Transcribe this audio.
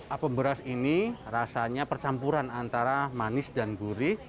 apem beras ini rasanya percampuran antara manis dan gurih